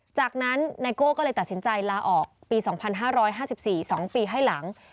จากนั้นไนโก้ก็เลยตัดสินใจลาออกปี๒๕๕๔๒ปีให้หลัง